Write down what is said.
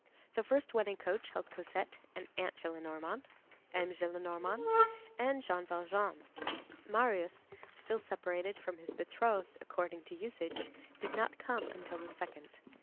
The first wedding coach held Cosette and Aunt Gillenormand, M. Gillenormand and Jean Valjean. Marius, still separated from his betrothed according to usage, did not come until the second.